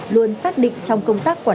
luôn xác định trong công tác của đội